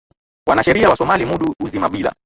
wanasheria wa somali mudu uzi mabila